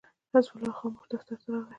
حزب الله خاموش دفتر ته راغی.